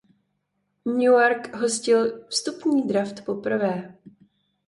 Newark hostil vstupní draft poprvé.